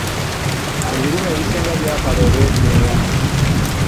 Ebirime ebisinga byakala olw'ekyeya.